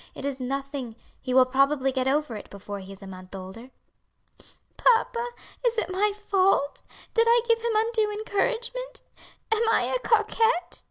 It is nothing; he will probably get over it before he is a month older." "Papa, is it my fault? did I give him undue encouragement? am I a coquette?"